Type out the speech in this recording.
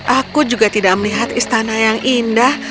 aku juga tidak melihat istana yang indah